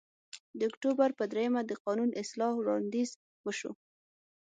د اکتوبر په درېیمه د قانون اصلاح وړاندیز وشو